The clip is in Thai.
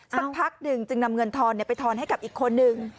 สักพักหนึ่งจึงนำเงินทอนไปทอนให้กับอีกคนนึง